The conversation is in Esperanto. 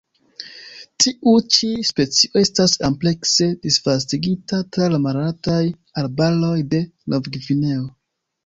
Tiu ĉi specio estas amplekse disvastigita tra la malaltaj arbaroj de Novgvineo.